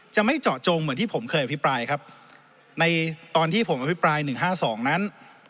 จะไม่เจาะจงเหมือนที่ผมเคยอภิปรายครับในตอนที่ผมอภิปรายหนึ่งห้าสองนั้น